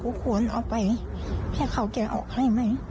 ก็ควรเอาไปให้เขาแกะออกให้ไหม